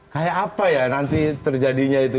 kayak apa ya nanti terjadinya itu